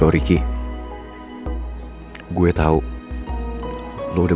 dia mau minta sembuh dulu